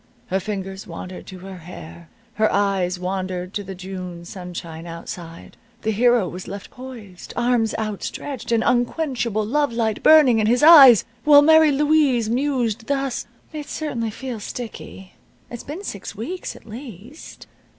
Her fingers wandered to her hair. Her eyes wandered to the June sunshine outside. The hero was left poised, arms outstretched, and unquenchable love light burning in his eyes, while Mary Louise mused, thus: "It certainly feels sticky. It's been six weeks, at least.